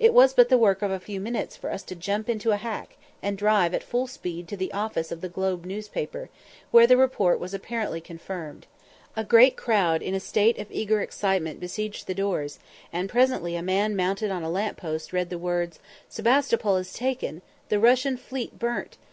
It was but the work of a few minutes for us to jump into a hack, and drive at full speed to the office of the Globe newspaper, where the report was apparently confirmed. A great crowd in a state of eager excitement besieged the doors, and presently a man mounted on a lamp post read the words, "_Sebastopol is taken! The Russian fleet burnt!